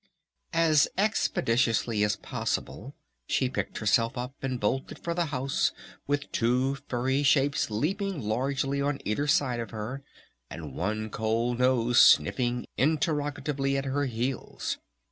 As expeditiously as possible she picked herself up and bolted for the house with two furry shapes leaping largely on either side of her and one cold nose sniffing interrogatively at her heels.